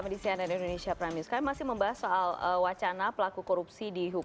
di cnn indonesia peranews